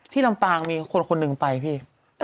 อ๋อที่ลำตางมีคนหนึ่งไปพี่